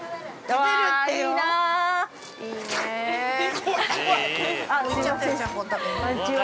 ◆こんにちは。